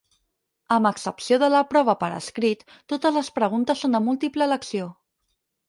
Amb excepció de la prova per escrit, totes les preguntes són de múltiple elecció.